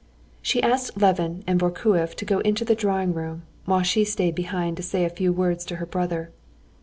She asked Levin and Vorkuev to go into the drawing room, while she stayed behind to say a few words to her brother.